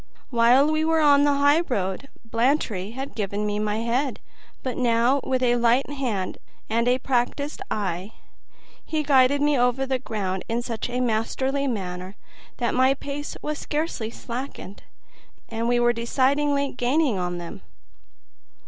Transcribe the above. While we were on the highroad, Blantyre had given me my head; but now, with a light hand and a practiced eye, he guided me over the ground in such a masterly manner that my pace was scarcely slackened, and we were decidedly gaining on them.